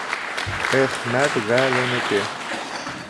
— Эхмәтғәленеке!